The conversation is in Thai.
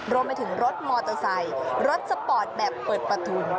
รวมไปถึงรถมอเตอร์ไซค์รถสปอร์ตแบบเปิดประทุน